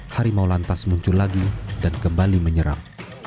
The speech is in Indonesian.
harimau lantas muncul lagi dan kembali menyerap